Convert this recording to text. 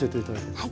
はい。